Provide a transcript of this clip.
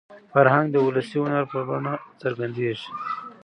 فرهنګ د ولسي هنر په بڼه څرګندېږي.